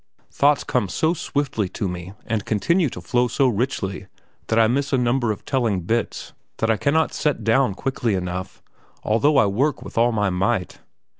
Thoughts come so swiftly to me and continue to flow so richly that I miss a number of telling bits, that I cannot set down quickly enough, although I work with all my might.